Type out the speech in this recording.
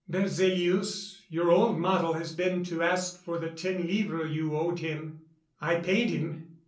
"Berzélius, your old model, has been to ask for the ten livres you owed him; I paid him.